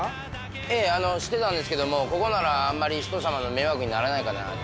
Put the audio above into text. ええ知ってたんですけどもここならあんまりひとさまの迷惑にならないかなって。